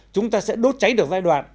chúng ta sẽ đốt cháy được giai đoạn